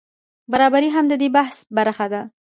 برابري هم د دې بحث برخه ده.